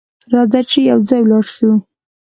راځه چې یو ځای ولاړ سو!